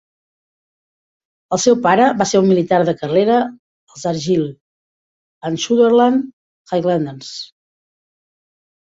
El seu pare va ser un militar de carrera als Argyll and Sutherland Highlanders.